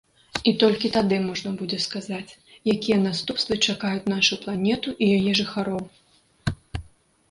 І толькі тады можна будзе сказаць, якія наступствы чакаюць нашу планету і яе жыхароў.